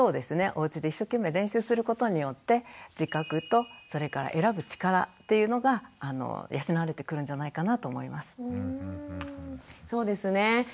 お家で一生懸命練習することによって自覚とそれから選ぶ力っていうのが養われてくるんじゃないかなと思います。